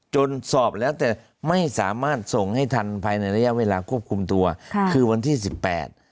จนสอบแล้วแต่ไม่สามารถส่งให้ทันภายในระยะเวลาควบคุมตัวค่ะคือวันที่สิบแปด